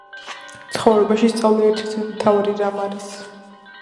ცხოვრებაქში სწავლა ერთ ერთი მთავარი რამ არი